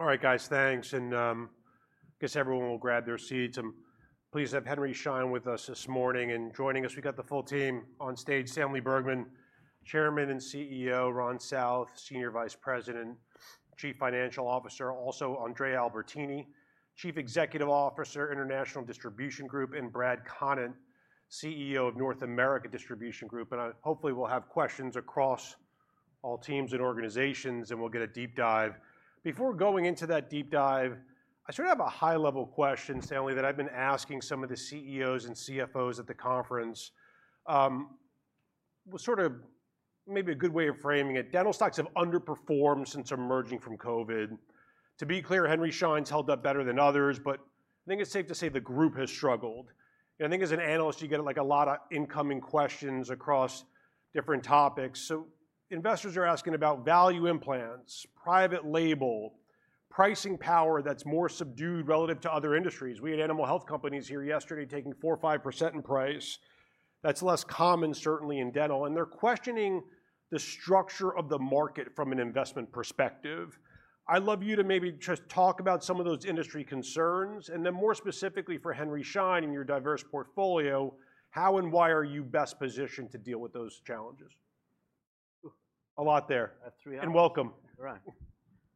All right, guys, thanks. And I guess everyone will grab their seats. I'm pleased to have Henry Schein with us this morning. And joining us, we've got the full team on stage: Stanley Bergman, Chairman and CEO; Ron South, Senior Vice President, Chief Financial Officer; also, Andrea Albertini, Chief Executive Officer, International Distribution Group; and Brad Connett, CEO of North America Distribution Group. And hopefully, we'll have questions across all teams and organizations, and we'll get a deep dive. Before going into that deep dive, I sort of have a high-level question, Stanley, that I've been asking some of the CEOs and CFOs at the Conference. Sort of maybe a good way of framing it, dental stocks have underperformed since emerging from COVID. To be clear, Henry Schein's held up better than others, but I think it's safe to say the group has struggled. I think as an analyst, you get, like, a lot of incoming questions across different topics. So investors are asking about value implants, private label, pricing power that's more subdued relative to other industries. We had animal health companies here yesterday taking 4% or 5% in price. That's less common, certainly in dental, and they're questioning the structure of the market from an investment perspective. I'd love you to maybe just talk about some of those industry concerns, and then more specifically for Henry Schein and your diverse portfolio, how and why are you best positioned to deal with those challenges? A lot there- I have three hours. And welcome. Right.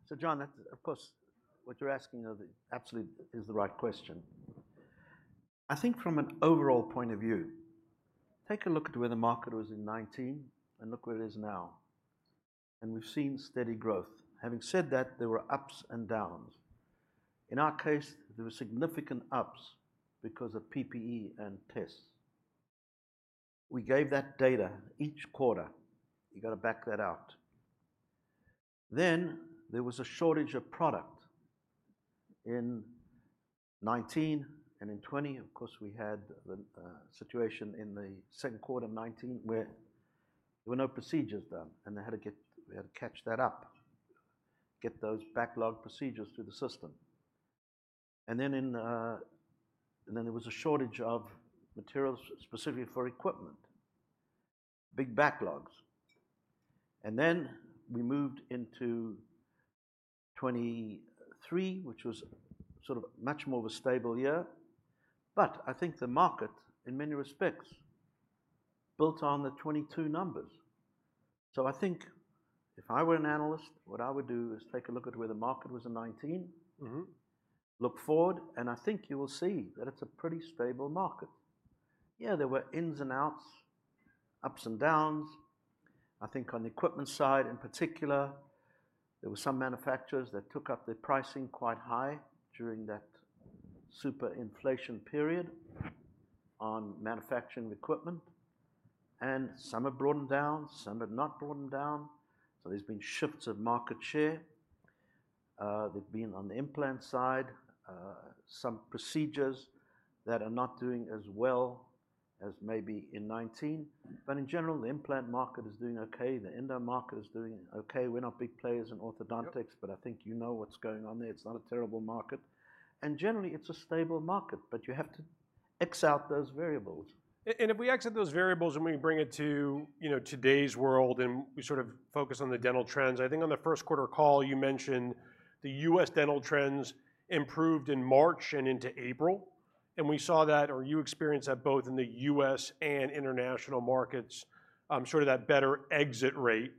So, Jon, that's, of course, what you're asking absolutely is the right question. I think from an overall point of view, take a look at where the market was in 2019 and look where it is now, and we've seen steady growth. Having said that, there were ups and downs. In our case, there were significant ups because of PPE and tests. We gave that data each quarter. You got to back that out. Then, there was a shortage of product in 2019, and in 2020, of course, we had the situation in the second quarter of 2019, where there were no procedures done, and we had to catch that up, get those backlog procedures through the system. And then there was a shortage of materials specifically for equipment, big backlogs. Then we moved into 2023, which was sort of much more of a stable year. But I think the market, in many respects, built on the 2022 numbers. So I think if I were an analyst, what I would do is take a look at where the market was in 2019- Mm-hmm. Look forward, and I think you will see that it's a pretty stable market. Yeah, there were ins and outs, ups and downs. I think on the equipment side, in particular, there were some manufacturers that took up their pricing quite high during that super inflation period on manufacturing equipment, and some have brought them down, some have not brought them down. So there's been shifts of market share. They've been on the implant side, some procedures that are not doing as well as maybe in 2019, but in general, the implant market is doing okay. The endo market is doing okay. We're not big players in orthodontics- Yep. But I think you know what's going on there. It's not a terrible market, and generally, it's a stable market, but you have to X out those variables. If we X out those variables and we bring it to, you know, today's world, and we sort of focus on the dental trends, I think on the first quarter call, you mentioned the U.S. dental trends improved in March and into April, and we saw that, or you experienced that both in the U.S. and international markets, sort of that better exit rate.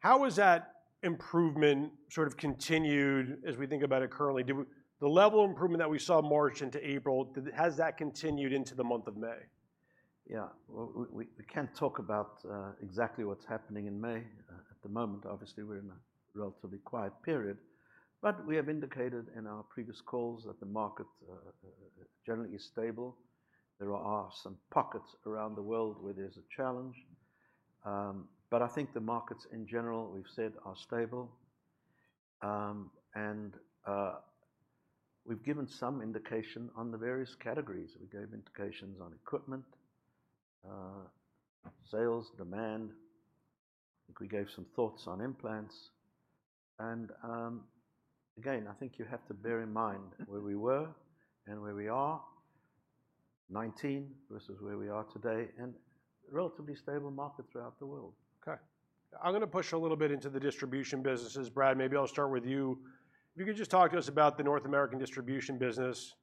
How has that improvement sort of continued as we think about it currently? Has the level of improvement that we saw March into April continued into the month of May? Yeah. Well, we can't talk about exactly what's happening in May. At the moment, obviously, we're in a relatively quiet period, but we have indicated in our previous calls that the market generally is stable. There are some pockets around the world where there's a challenge, but I think the markets in general, we've said, are stable. And, we've given some indication on the various categories. We gave indications on equipment sales, demand. I think we gave some thoughts on implants and, again, I think you have to bear in mind where we were and where we are, 2019 versus where we are today, and relatively stable market throughout the world. Okay. I'm gonna push a little bit into the distribution businesses. Brad, maybe I'll start with you. If you could just talk to us about the North American distribution business,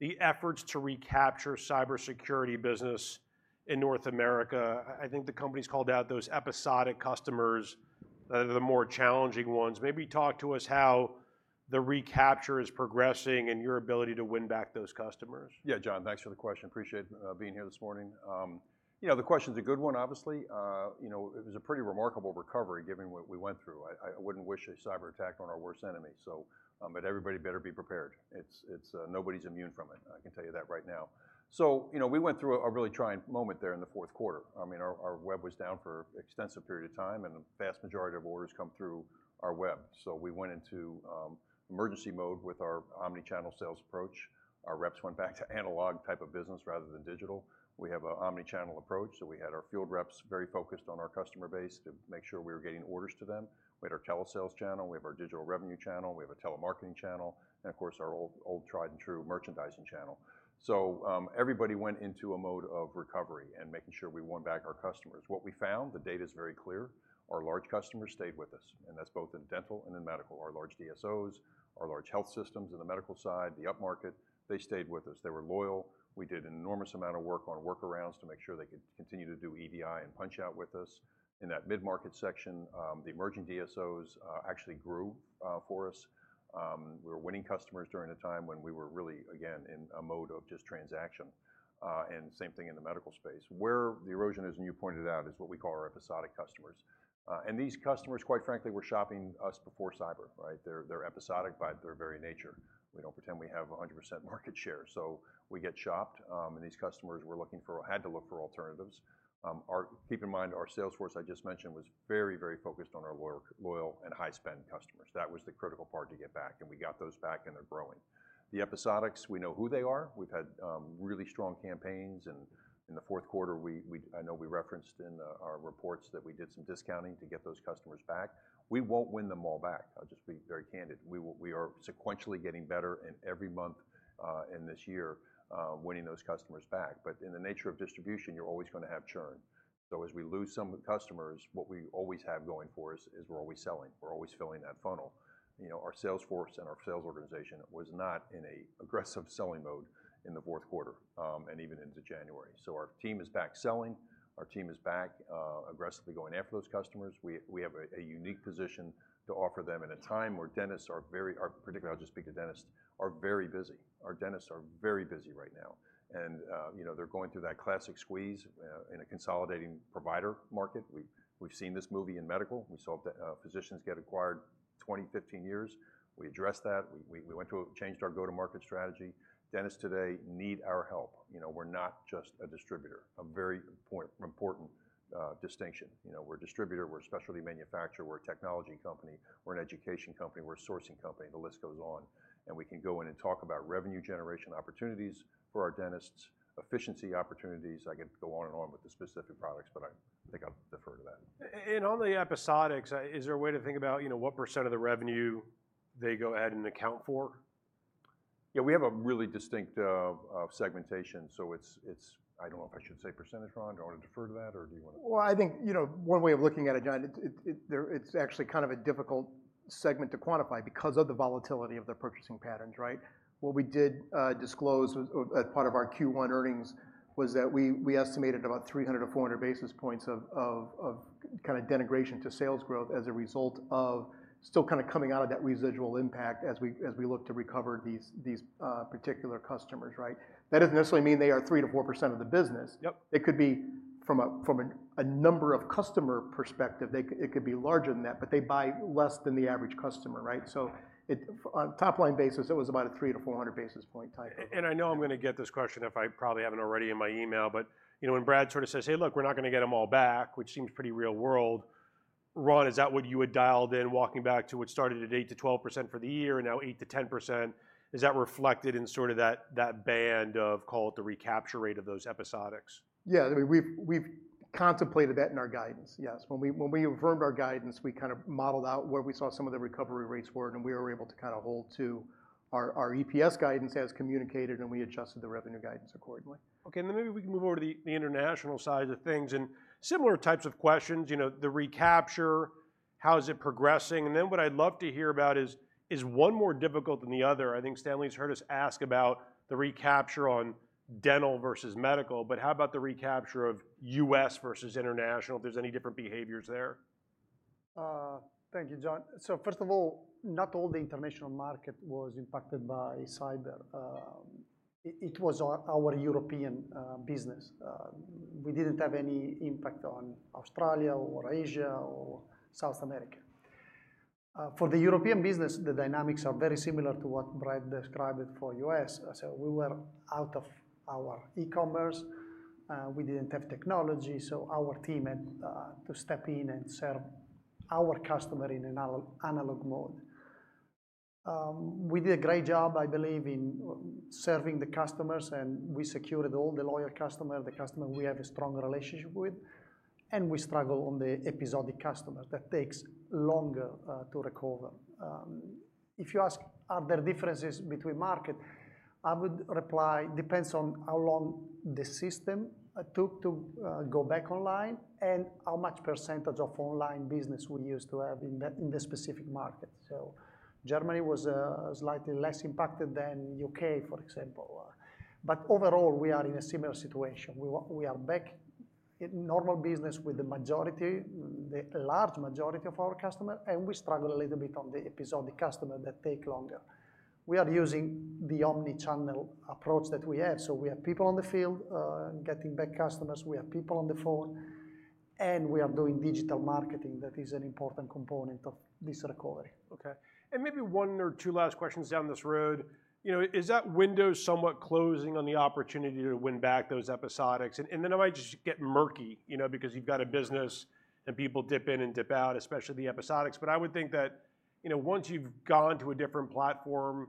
the efforts to recapture cybersecurity business in North America. I think the company's called out those episodic customers, the more challenging ones. Maybe talk to us how the recapture is progressing and your ability to win back those customers. Yeah, Jon, thanks for the question. Appreciate being here this morning. You know, the question is a good one, obviously. You know, it was a pretty remarkable recovery, given what we went through. I wouldn't wish a cyberattack on our worst enemy, so, but everybody better be prepared. It's nobody's immune from it. I can tell you that right now. So, you know, we went through a really trying moment there in the fourth quarter. I mean, our web was down for extensive period of time, and the vast majority of orders come through our web. So we went into emergency mode with our omni-channel sales approach. Our reps went back to analog type of business rather than digital. We have an omni-channel approach, so we had our field reps very focused on our customer base to make sure we were getting orders to them. We had our telesales channel, we have our digital revenue channel, we have a telemarketing channel, and of course, our old, old tried-and-true merchandising channel. So, everybody went into a mode of recovery and making sure we won back our customers. What we found, the data is very clear... Our large customers stayed with us, and that's both in dental and in medical. Our large DSOs, our large health systems in the medical side, the upmarket, they stayed with us. They were loyal. We did an enormous amount of work on workarounds to make sure they could continue to do EDI and punch out with us. In that mid-market section, the emerging DSOs actually grew for us. We were winning customers during the time when we were really, again, in a mode of just transactional, and same thing in the medical space. Where the erosion is, and you pointed out, is what we call our Episodic Customers. And these customers, quite frankly, were shopping us before cyber, right? They're episodic by their very nature. We don't pretend we have 100% market share, so we get shopped, and these customers were looking for—had to look for alternatives. Keep in mind, our sales force, I just mentioned, was very, very focused on our loyal, loyal and high-spend customers. That was the critical part to get back, and we got those back, and they're growing. The episodics, we know who they are. We've had really strong campaigns, and in the fourth quarter, we, I know we referenced in our reports that we did some discounting to get those customers back. We won't win them all back. I'll just be very candid. We are sequentially getting better in every month in this year winning those customers back. But in the nature of distribution, you're always gonna have churn. So as we lose some of the customers, what we always have going for us is we're always selling. We're always filling that funnel. You know, our sales force and our sales organization was not in an aggressive selling mode in the fourth quarter, and even into January. So our team is back selling. Our team is back aggressively going after those customers. We have a unique position to offer them at a time where dentists are very particular. I'll just speak to dentists; they are very busy. Our dentists are very busy right now, and you know, they're going through that classic squeeze in a consolidating provider market. We've seen this movie in medical. We saw the physicians get acquired 20-15 years. We addressed that. We changed our go-to-market strategy. Dentists today need our help. You know, we're not just a distributor. A very important distinction. You know, we're a distributor, we're a specialty manufacturer, we're a technology company, we're an education company, we're a sourcing company. The list goes on, and we can go in and talk about revenue generation opportunities for our dentists, efficiency opportunities. I could go on and on with the specific products, but I think I'll defer to that. And on the episodics, is there a way to think about, you know, what percent of the revenue they go ahead and account for? Yeah, we have a really distinct segmentation, so it's. I don't know if I should say percentage, Ron. Do you want to defer to that, or do you wanna- Well, I think, you know, one way of looking at it, Jon, it's actually kind of a difficult segment to quantify because of the volatility of their purchasing patterns, right? What we did disclose as part of our Q1 earnings was that we estimated about 300-400 basis points of kind of denigration to sales growth as a result of still kinda coming out of that residual impact as we look to recover these particular customers, right? That doesn't necessarily mean they are 3%-4% of the business. Yep. It could be from a number of customer perspective, they could, it could be larger than that, but they buy less than the average customer, right? So it, on top-line basis, it was about a 300-400 basis point type. I know I'm gonna get this question, if I probably haven't already, in my email, but, you know, when Brad sort of says, "Hey, look, we're not gonna get them all back", which seems pretty real world, Ron, is that what you had dialed in walking back to what started at 8%-12% for the year and now 8%-10%? Is that reflected in sort of that, that band of, call it, the recapture rate of those episodics? Yeah, I mean, we've contemplated that in our guidance. Yes. When we affirmed our guidance, we kind of modeled out where we saw some of the recovery rates were, and we were able to kind of hold to our EPS guidance as communicated, and we adjusted the revenue guidance accordingly. Okay, and then maybe we can move on to the international side of things, and similar types of questions, you know, the recapture, how is it progressing? And then what I'd love to hear about is, is one more difficult than the other? I think Stanley's heard us ask about the recapture on dental versus medical, but how about the recapture of U.S. versus international, if there's any different behaviors there? Thank you, Jon. So first of all, not all the international market was impacted by cyber. It was our European business. We didn't have any impact on Australia or Asia or South America. For the European business, the dynamics are very similar to what Brad described for U.S. So we were out of our e-commerce, we didn't have technology, so our team had to step in and serve our customer in an analog mode. We did a great job, I believe, in serving the customers, and we secured all the loyal customer, the customer we have a strong relationship with, and we struggle on the episodic customer. That takes longer to recover. If you ask, are there differences between market? I would reply, depends on how long the system took to go back online and how much percentage of online business we used to have in the specific market. So Germany was slightly less impacted than U.K., for example. But overall, we are in a similar situation. We are back in normal business with the majority, the large majority of our customer, and we struggle a little bit on the episodic customer that take longer. We are using the omni-channel approach that we have. So we have people on the field, getting back customers, we have people on the phone, and we are doing digital marketing. That is an important component of this recovery. Okay, and maybe one or two last questions down this road. You know, is that window somewhat closing on the opportunity to win back those episodics? And then I might just get murky, you know, because you've got a business, and people dip in and dip out, especially the episodics. But I would think that, you know, once you've gone to a different platform,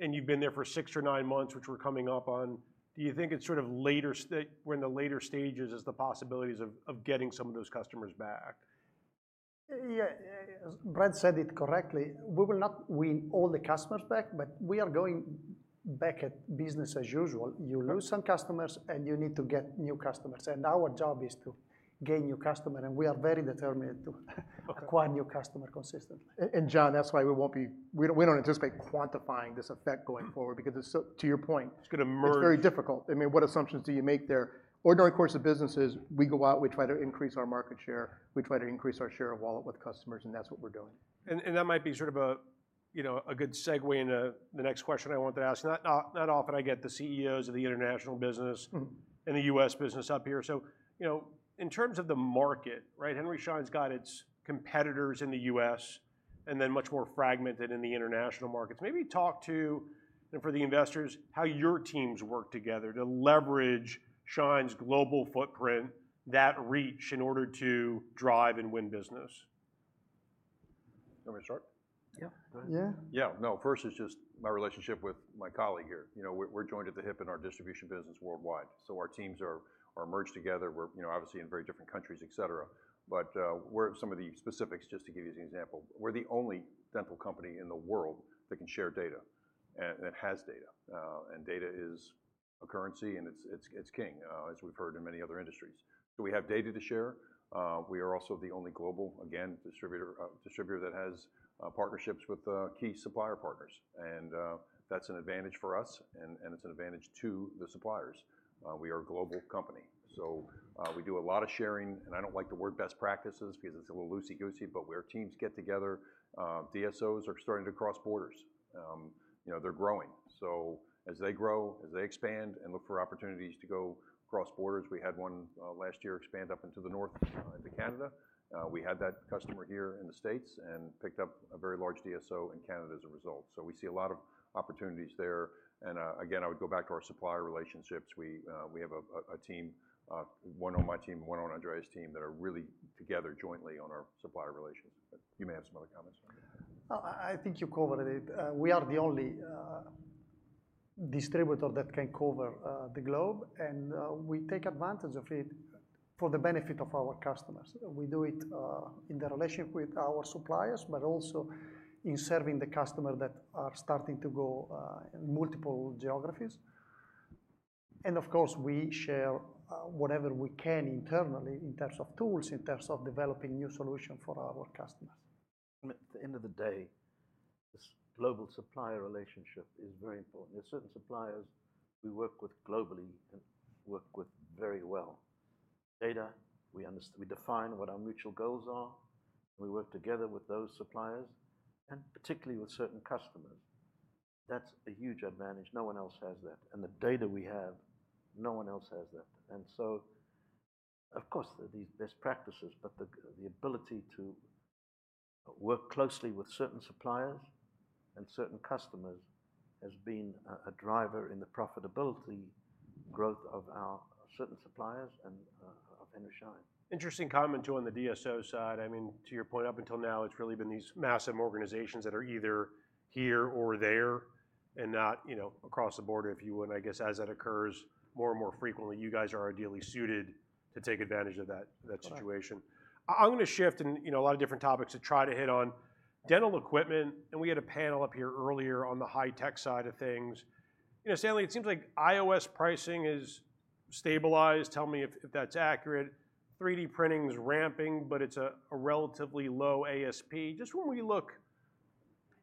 and you've been there for six or nine months, which we're coming up on, do you think it's sort of later we're in the later stages as the possibilities of getting some of those customers back? ... Yeah, yeah, as Brad said it correctly, we will not win all the customers back, but we are going back at business as usual. You lose some customers, and you need to get new customers, and our job is to gain new customer, and we are very determined to - Okay... acquire new customer consistently. Jon, that's why we won't be, we don't, we don't anticipate quantifying this effect going forward. Mm... because it's so, to your point- It's gonna merge.... it's very difficult. I mean, what assumptions do you make there? Ordinary course of business is we go out, we try to increase our market share, we try to increase our share of wallet with customers, and that's what we're doing. And that might be sort of a, you know, a good segue into the next question I wanted to ask. Not often I get the CEOs of the international business- Mm... and the U.S. business up here. So, you know, in terms of the market, right, Henry Schein's got its competitors in the U.S., and then much more fragmented in the international markets. Maybe talk to, and for the investors, how your teams work together to leverage Schein's global footprint, that reach, in order to drive and win business. You want me to start? Yeah. Go ahead. Yeah. Yeah, no, first, it's just my relationship with my colleague here. You know, we're joined at the hip in our distribution business worldwide, so our teams are merged together. We're, you know, obviously in very different countries, et cetera, but we're... Some of the specifics, just to give you an example, we're the only dental company in the world that can share data and it has data. And data is a currency, and it's king, as we've heard in many other industries. So we have data to share. We are also the only global, again, distributor that has partnerships with key supplier partners, and that's an advantage for us, and it's an advantage to the suppliers. We are a global company, so, we do a lot of sharing, and I don't like the word best practices because it's a little loosey-goosey, but where teams get together, DSOs are starting to cross borders. You know, they're growing. So as they grow, as they expand and look for opportunities to go across borders, we had one last year expand up into the north, into Canada. We had that customer here in the States and picked up a very large DSO in Canada as a result. So we see a lot of opportunities there, and, again, I would go back to our supplier relationships. We have a team, one on my team and one on Andrea's team, that are really together jointly on our supplier relations. You may have some other comments. I think you covered it. We are the only distributor that can cover the globe, and we take advantage of it for the benefit of our customers. We do it in the relationship with our suppliers, but also in serving the customer that are starting to go in multiple geographies. And of course, we share whatever we can internally, in terms of tools, in terms of developing new solution for our customers. At the end of the day, this global supplier relationship is very important. There are certain suppliers we work with globally and work with very well. Data, we define what our mutual goals are, and we work together with those suppliers, and particularly with certain customers. That's a huge advantage. No one else has that. And the data we have, no one else has that. And so, of course, there are these best practices, but the ability to work closely with certain suppliers and certain customers has been a driver in the profitability growth of our certain suppliers and of Henry Schein. Interesting comment on the DSO side. I mean, to your point, up until now, it's really been these massive organizations that are either here or there and not, you know, across the border, if you would. I guess as that occurs more and more frequently, you guys are ideally suited to take advantage of that, that situation. Correct. I'm gonna shift and, you know, a lot of different topics to try to hit on. Dental equipment, and we had a panel up here earlier on the high tech side of things. You know, Stanley, it seems like IOS pricing is stabilized. Tell me if that's accurate. 3D printing is ramping, but it's a relatively low ASP. Just when we look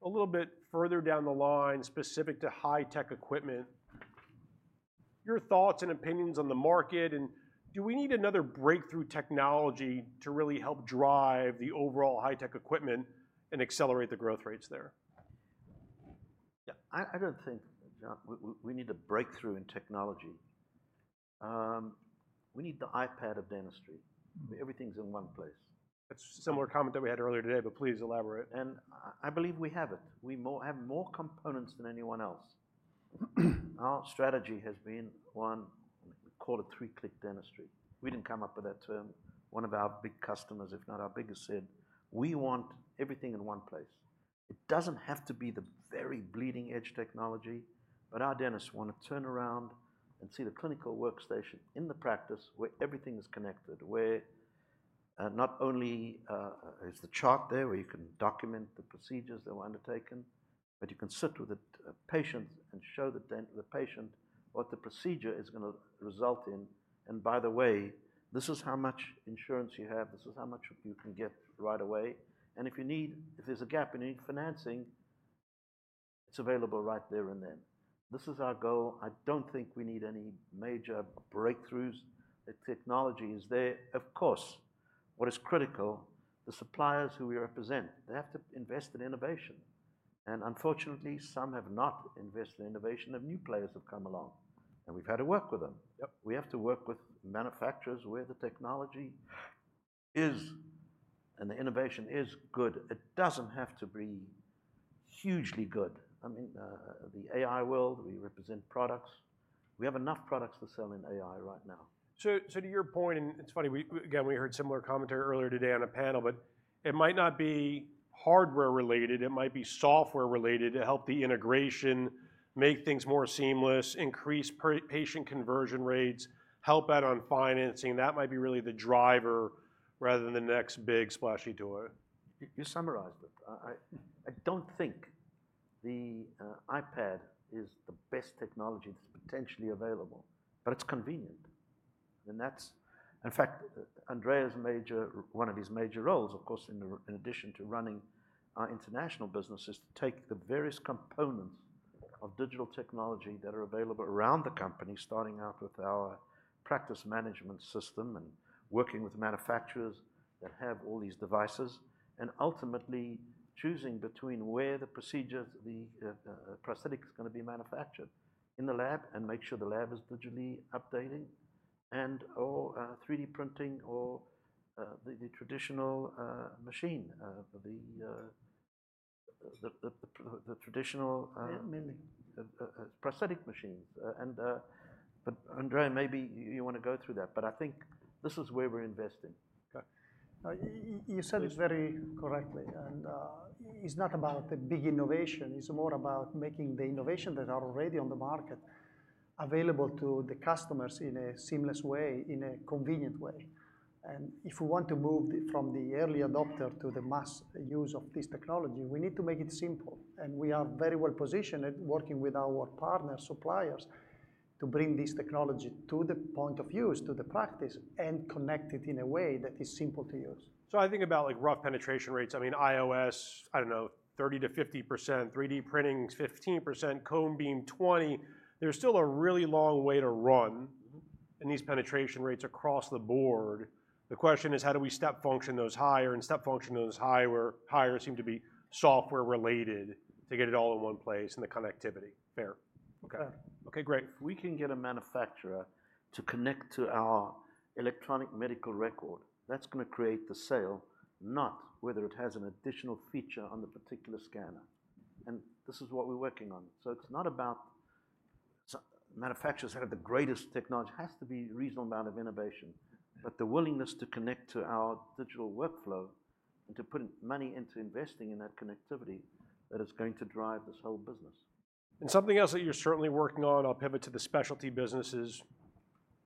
a little bit further down the line, specific to high tech equipment, your thoughts and opinions on the market, and do we need another breakthrough technology to really help drive the overall high tech equipment and accelerate the growth rates there? Yeah, I don't think, Jon, we need a breakthrough in technology. We need the iPad of dentistry, where everything's in one place. That's a similar comment that we had earlier today, but please elaborate. I believe we have it. We have more components than anyone else. Our strategy has been one, call it, three-click dentistry. We didn't come up with that term. One of our big customers, if not our biggest, said, "We want everything in one place." It doesn't have to be the very bleeding-edge technology, but our dentists wanna turn around and see the clinical workstation in the practice where everything is connected, where not only is the chart there, where you can document the procedures that were undertaken, but you can sit with the patient and show the patient what the procedure is gonna result in. By the way, this is how much insurance you have, this is how much you can get right away, and if you need... If there's a gap and you need financing, it's available right there and then. This is our goal. I don't think we need any major breakthroughs. The technology is there. Of course, what is critical, the suppliers who we represent, they have to invest in innovation, and unfortunately, some have not invested in innovation, and new players have come along, and we've had to work with them. Yep. We have to work with manufacturers where the technology is, and the innovation is good. It doesn't have to be hugely good. I mean, the AI world, we represent products. We have enough products to sell in AI right now. So, to your point, and it's funny, again, we heard similar commentary earlier today on a panel, but it might not be hardware-related, it might be software-related to help the integration, make things more seamless, increase patient conversion rates, help out on financing. That might be really the driver rather than the next big splashy toy. You summarized it. I don't think the iPad is the best technology that's potentially available, but it's convenient. And that's... In fact, Andrea's major one of his major roles, of course, in addition to running our international business, is to take the various components of digital technology that are available around the company, starting out with our practice management system and working with manufacturers that have all these devices, and ultimately choosing between where the procedure, the prosthetic is gonna be manufactured. In the lab, and make sure the lab is digitally updating, and/or 3D printing or the traditional machine, the traditional Yeah, milling... prosthetic machines. But Andrea, maybe you want to go through that, but I think this is where we're investing. Okay. You said it very correctly, and it's not about the big innovation, it's more about making the innovation that are already on the market available to the customers in a seamless way, in a convenient way. And if we want to move from the early adopter to the mass use of this technology, we need to make it simple. And we are very well positioned at working with our partner suppliers, to bring this technology to the point of use, to the practice, and connect it in a way that is simple to use. So I think about, like, rough penetration rates. I mean, iOS, I don't know, 30%-50%, 3D printing is 15%, cone beam, 20%. There's still a really long way to run- Mm-hmm. in these penetration rates across the board. The question is, how do we step function those higher, and step function those higher, where higher seem to be software-related, to get it all in one place and the connectivity? Fair. Okay. Okay, great. If we can get a manufacturer to connect to our electronic medical record, that's gonna create the sale, not whether it has an additional feature on the particular scanner, and this is what we're working on. So it's not about manufacturers that have the greatest technology. It has to be reasonable amount of innovation, but the willingness to connect to our digital workflow and to put money into investing in that connectivity, that is going to drive this whole business. Something else that you're certainly working on, I'll pivot to the specialty businesses,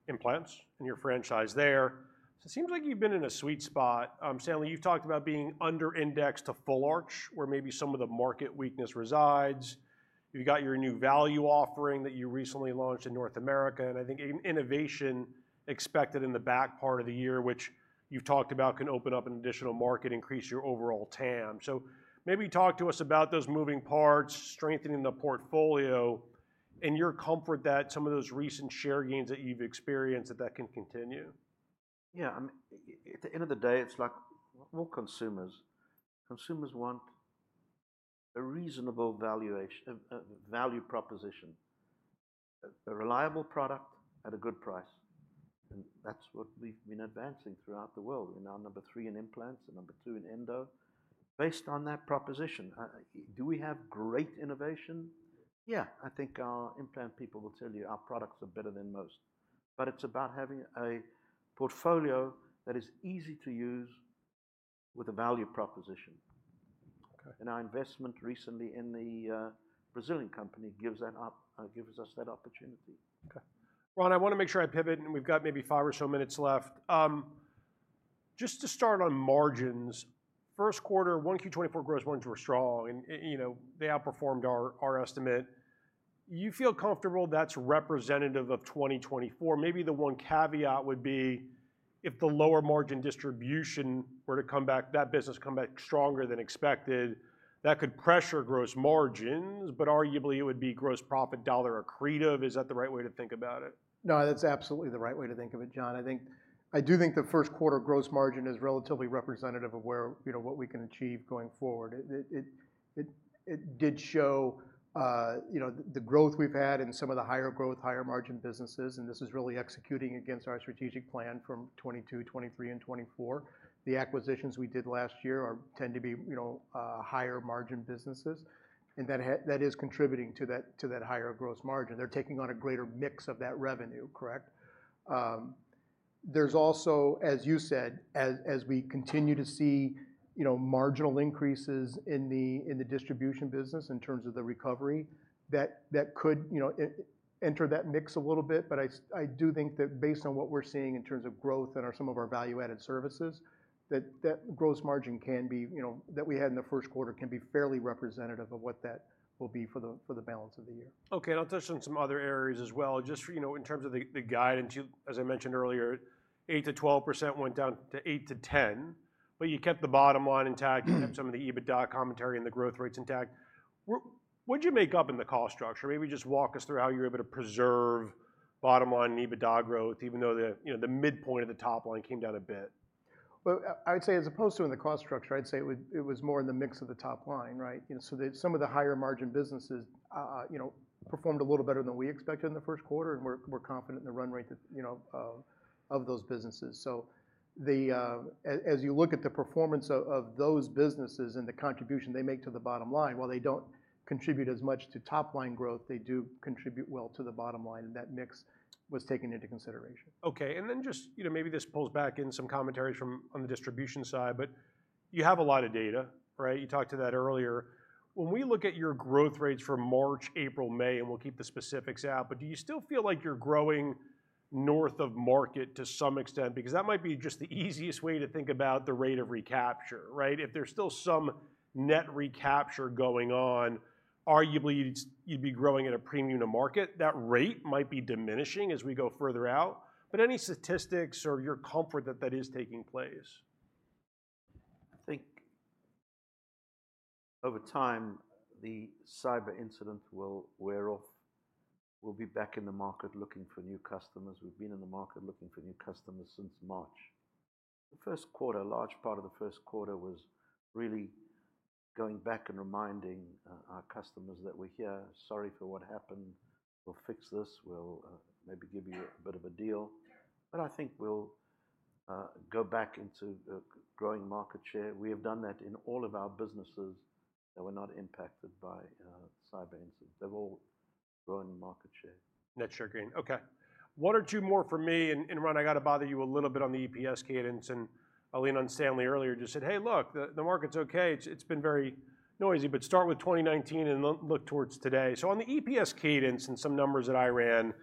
implants and your franchise there. So it seems like you've been in a sweet spot. Stanley, you've talked about being under indexed to full arch, where maybe some of the market weakness resides. You've got your new value offering that you recently launched in North America, and I think innovation expected in the back part of the year, which you've talked about, can open up an additional market, increase your overall TAM. So maybe talk to us about those moving parts, strengthening the portfolio, and your comfort that some of those recent share gains that you've experienced, that can continue. Yeah, at the end of the day, it's like more consumers. Consumers want a reasonable valuation, value proposition, a reliable product at a good price, and that's what we've been advancing throughout the world. We're now number three in implants and number two in endo. Based on that proposition, do we have great innovation? Yeah, I think our implant people will tell you our products are better than most, but it's about having a portfolio that is easy to use with a value proposition. Okay. Our investment recently in the Brazilian company gives us that opportunity. Okay. Ron, I wanna make sure I pivot, and we've got maybe five or so minutes left. Just to start on margins, first quarter, Q1 2024 gross margins were strong, and, and, you know, they outperformed our, our estimate. You feel comfortable that's representative of 2024? Maybe the one caveat would be if the lower margin distribution were to come back, that business come back stronger than expected, that could pressure gross margins, but arguably it would be gross profit dollar accretive. Is that the right way to think about it? No, that's absolutely the right way to think of it, Jon. I think I do think the first quarter gross margin is relatively representative of where, you know, what we can achieve going forward. It did show, you know, the growth we've had in some of the higher growth, higher margin businesses, and this is really executing against our strategic plan from 2022, 2023, and 2024. The acquisitions we did last year are tend to be, you know, higher margin businesses, and that that is contributing to that, to that higher gross margin. They're taking on a greater mix of that revenue, correct? There's also, as you said, as we continue to see, you know, marginal increases in the, in the distribution business in terms of the recovery, that that could, you know, it enter that mix a little bit. I do think that based on what we're seeing in terms of growth and some of our value-added services, that that gross margin can be, you know, that we had in the first quarter, can be fairly representative of what that will be for the balance of the year. Okay, I'll touch on some other areas as well. Just so you know, in terms of the guidance you as I mentioned earlier, 8%-12% went down to 8%-10%, but you kept the bottom line intact. You kept some of the EBITDA commentary and the growth rates intact. What'd you make up in the cost structure? Maybe just walk us through how you were able to preserve bottom line EBITDA growth, even though you know the midpoint of the top line came down a bit. Well, I'd say as opposed to in the cost structure, I'd say it was more in the mix of the top line, right? You know, so some of the higher margin businesses, you know, performed a little better than we expected in the first quarter, and we're confident in the run rate that, you know, of those businesses. So as you look at the performance of those businesses and the contribution they make to the bottom line, while they don't contribute as much to top-line growth, they do contribute well to the bottom line, and that mix was taken into consideration. Okay, and then just, you know, maybe this pulls back in some commentaries from on the distribution side, but you have a lot of data, right? You talked to that earlier. When we look at your growth rates for March, April, May, and we'll keep the specifics out, but do you still feel like you're growing north of market to some extent? Because that might be just the easiest way to think about the rate of recapture, right? If there's still some net recapture going on, arguably, you'd be growing at a premium to market. That rate might be diminishing as we go further out, but any statistics or your comfort that that is taking place? I think over time, the cyber incident will wear off. We'll be back in the market looking for new customers. We've been in the market looking for new customers since March. The first quarter, a large part of the first quarter was really going back and reminding our customers that we're here, sorry for what happened. We'll fix this. We'll maybe give you a bit of a deal. But I think we'll go back into growing market share. We have done that in all of our businesses that were not impacted by cyber incidents. They've all grown in market share. Net share gain. Okay. One or two more for me, and, and Ron, I gotta bother you a little bit on the EPS cadence, and Andrea and Stanley earlier just said, "Hey, look, the market's okay. It's been very noisy," but start with 2019 and look towards today. So on the EPS cadence and some numbers that I ran,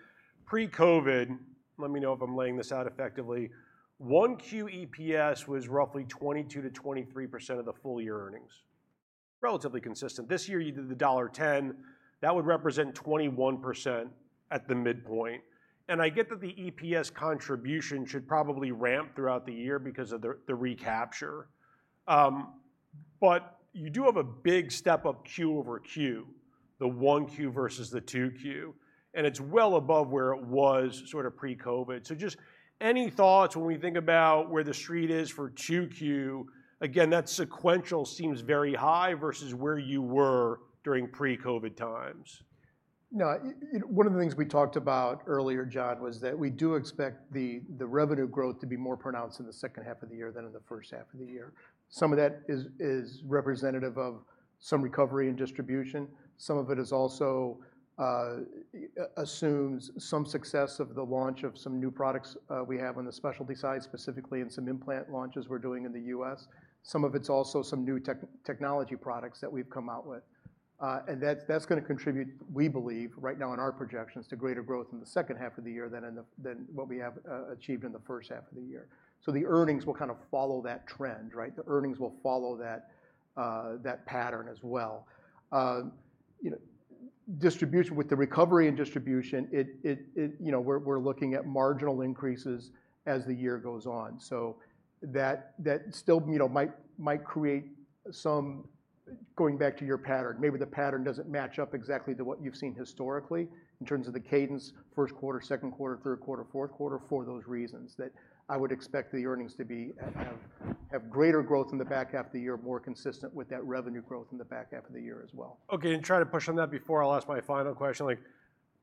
pre-COVID, let me know if I'm laying this out effectively, Q1 EPS was roughly 22%-23% of the full year earnings. Relatively consistent. This year, you did the $1.10, that would represent 21% at the midpoint, and I get that the EPS contribution should probably ramp throughout the year because of the recapture. But you do have a big step up Q-over-Q, the 1Q versus the 2Q, and it's well above where it was sort of pre-COVID. So just any thoughts when we think about where the street is for 2Q? Again, that sequential seems very high versus where you were during pre-COVID times. No, you know, one of the things we talked about earlier, Jon, was that we do expect the revenue growth to be more pronounced in the second half of the year than in the first half of the year. Some of that is representative of some recovery and distribution, some of it is also assumes some success of the launch of some new products we have on the specialty side, specifically in some implant launches we're doing in the U.S. Some of it's also some new technology products that we've come out with. And that's gonna contribute, we believe, right now in our projections, to greater growth in the second half of the year than in the than what we have achieved in the first half of the year. So the earnings will kind of follow that trend, right? The earnings will follow that, that pattern as well. You know, distribution with the recovery and distribution, it, you know, we're looking at marginal increases as the year goes on. So that still, you know, might create some... Going back to your pattern, maybe the pattern doesn't match up exactly to what you've seen historically in terms of the cadence, first quarter, second quarter, third quarter, fourth quarter, for those reasons. That, I would expect the earnings to be at, have greater growth in the back half of the year, more consistent with that revenue growth in the back half of the year as well. Okay, and try to push on that before I'll ask my final question. Like,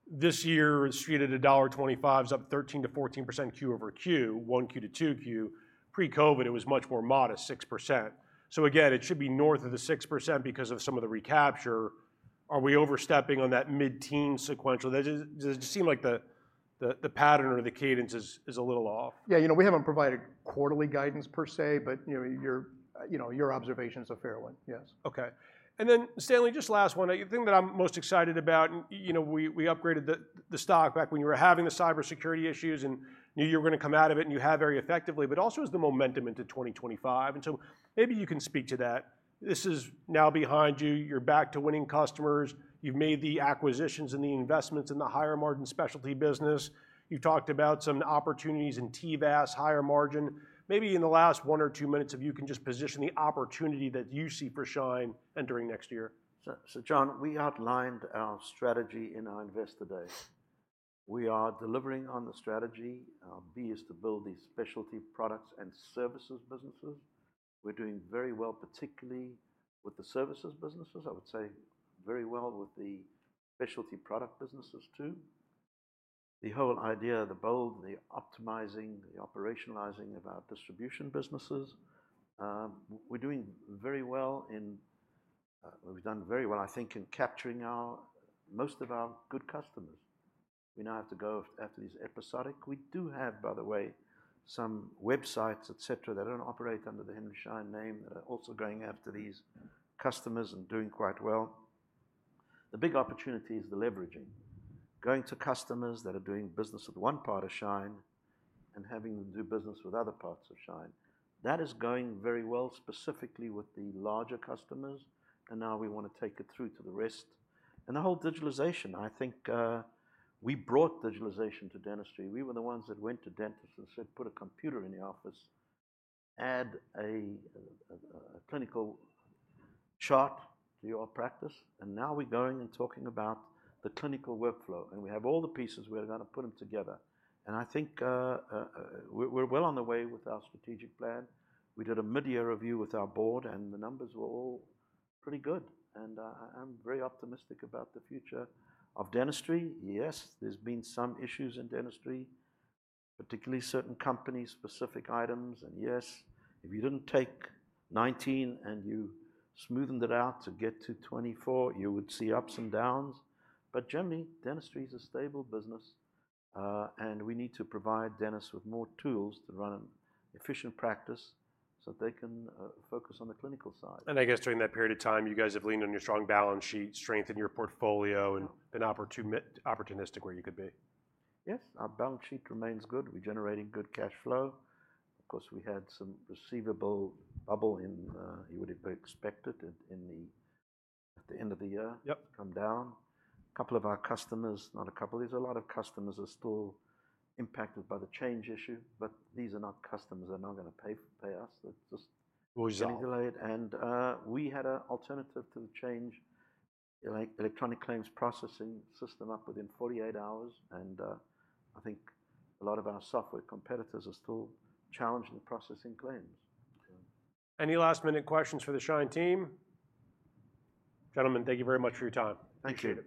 this year is treated $1.25 up 13%-14% Q over Q, 1Q to 2Q. Pre-COVID, it was much more modest, 6%. So again, it should be north of the 6% because of some of the recapture. Are we overstepping on that mid-teen sequential? That just, does it just seem like the pattern or the cadence is a little off? Yeah, you know, we haven't provided quarterly guidance per se, but, you know, your observation is a fair one. Yes. Okay. Then, Stanley, just last one. The thing that I'm most excited about, and, you know, we upgraded the stock back when you were having the cybersecurity issues and knew you were gonna come out of it, and you have very effectively, but also is the momentum into 2025, and so maybe you can speak to that. This is now behind you. You're back to winning customers. You've made the acquisitions and the investments in the higher margin specialty business. You've talked about some opportunities in TVAS, higher margin. Maybe in the last one or two minutes, if you can just position the opportunity that you see for Schein entering next year. So, Jon, we outlined our strategy in our Investor Day. We are delivering on the strategy. Our B is to build these specialty products and services businesses. We're doing very well, particularly with the services businesses, I would say very well with the specialty product businesses, too. The whole idea of the BOLD, the optimizing, the operationalizing of our distribution businesses, we're doing very well in, we've done very well, I think, in capturing our, most of our good customers. We now have to go after these episodic. We do have, by the way, some websites, et cetera, that don't operate under the Henry Schein name, that are also going after these customers and doing quite well. The big opportunity is the leveraging. Going to customers that are doing business with one part of Schein and having them do business with other parts of Schein. That is going very well, specifically with the larger customers, and now we wanna take it through to the rest. And the whole digitalization, I think, we brought digitalization to dentistry. We were the ones that went to dentists and said, "Put a computer in the office. Add a clinical chart to your practice." And now we're going and talking about the clinical workflow, and we have all the pieces. We're going to put them together. And I think, we're well on the way with our strategic plan. We did a midyear review with our board, and the numbers were all pretty good, and I'm very optimistic about the future of dentistry. Yes, there's been some issues in dentistry, particularly certain companies, specific items, and yes, if you didn't take 2019 and you smoothened it out to get to 2024, you would see ups and downs. But generally, dentistry is a stable business, and we need to provide dentists with more tools to run an efficient practice so they can focus on the clinical side. I guess during that period of time, you guys have leaned on your strong balance sheet, strengthened your portfolio, and been opportunistic where you could be. Yes, our balance sheet remains good. We're generating good cash flow. Of course, we had some receivable bubble in, you would have expected it in the, at the end of the year- Yep... come down. A couple of our customers, not a couple, there's a lot of customers are still impacted by the Change issue, but these are not customers that are not gonna pay, pay us. They're just- Delayed... being delayed, and we had an alternative to Change Healthcare electronic claims processing system up within 48 hours, and I think a lot of our software competitors are still challenging the processing claims. Any last-minute questions for the Schein team? Gentlemen, thank you very much for your time. Thank you.